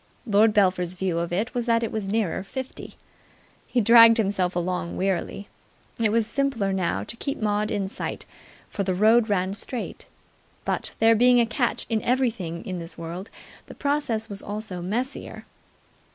Lord Belpher's view of it was that it was nearer fifty. He dragged himself along wearily. It was simpler now to keep Maud in sight, for the road ran straight: but, there being a catch in everything in this world, the process was also messier.